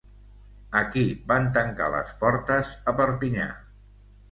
A qui van tancar les portes a Perpinyà?